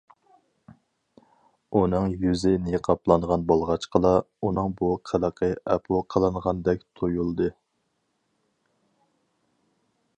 ئۇنىڭ يۈزى نىقابلانغان بولغاچقىلا، ئۇنىڭ بۇ قىلىقى ئەپۇ قىلىنغاندەك تۇيۇلدى.